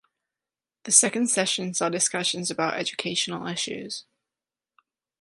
The second session saw discussions about educational issues.